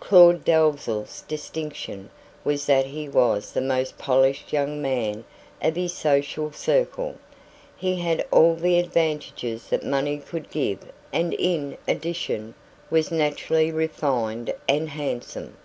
Claud Dalzell's distinction was that he was the most polished young man of his social circle. He had had all the advantages that money could give and in addition, was naturally refined and handsome.